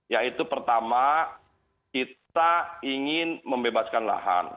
yaitu pertama kita ingin membebaskan lahan